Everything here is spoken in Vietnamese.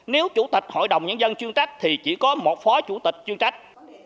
nếu chủ tịch hội đồng nhân dân chuyên trách thì chỉ có một phó chủ tịch chuyên trách